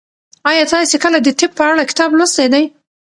ایا تاسي کله د طب په اړه کتاب لوستی دی؟